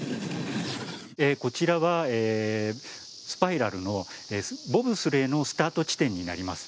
こちらはスパイラルのボブスレーのスタート地点になります。